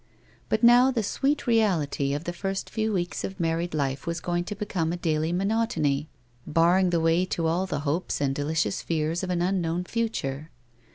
But now the sweet reality of the first few weeks of married life was going to become a daily monotony, barring the way to all the hopes and delicious fears of an unknown future.